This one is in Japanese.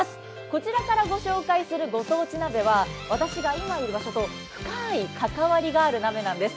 こちらからご紹介するご当地鍋は私が今いる場所と深い関わりがある鍋なんです。